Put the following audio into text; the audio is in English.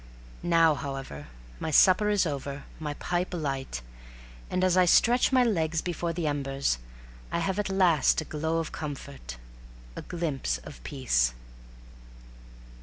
Now, however, my supper is over, my pipe alight, and as I stretch my legs before the embers I have at last a glow of comfort, a glimpse of peace.